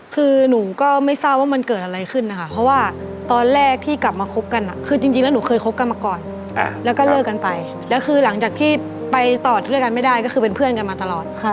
คือหนูก็ไม่ทราบว่ามันเกิดอะไรขึ้นนะคะเพราะว่าตอนแรกที่กลับมาคบกันคือจริงแล้วหนูเคยคบกันมาก่อนแล้วก็เลิกกันไปแล้วคือหลังจากที่ไปต่อด้วยกันไม่ได้ก็คือเป็นเพื่อนกันมาตลอด